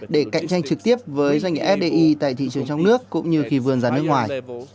để cạnh tranh trực tiếp với doanh nghiệp fdi tại thị trường trong nước cũng như khi vươn ra nước ngoài